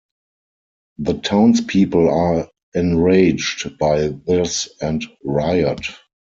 The townspeople are enraged by this, and riot.